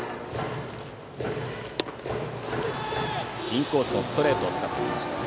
インコースのストレートを使ってきました。